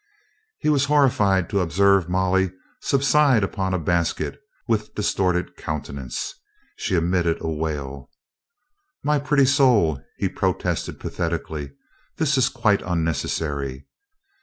He was horrified to observe Molly subside upon a basket with distorted countenance. She emitted a wail. "My pretty soul !" he protested pathetically. "This is quite unnecessary.